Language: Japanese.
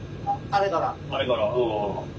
あれから。